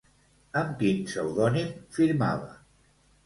Amb quin pseudònim firmava?